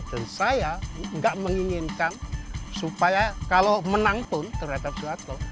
dan saya tidak menginginkan supaya kalau menang pun terhadap suatu